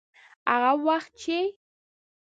هغه وخت چې.